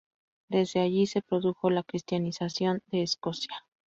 Desde allí, se produjo la cristianización de Escocia.